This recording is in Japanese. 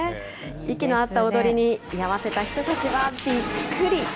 息の合った踊りに居合わせた人たちはびっくり。